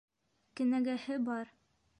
Кенәгәһе бар.